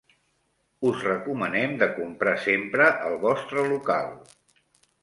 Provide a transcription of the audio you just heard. Us recomanem de comprar sempre el vostre local.